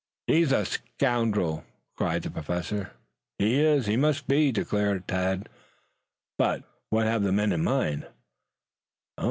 "He's a scoundrel!" cried the Professor. "He is. He must be," declared Tad. "But, what have the men in mind?"